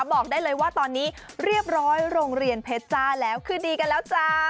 บอกได้เลยว่าตอนนี้เรียบร้อยโรงเรียนเพชรจ้าแล้วคือดีกันแล้วจ้า